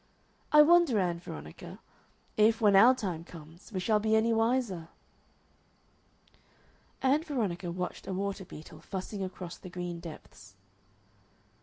I wonder, Ann Veronica, if, when our time comes, we shall be any wiser?" Ann Veronica watched a water beetle fussing across the green depths.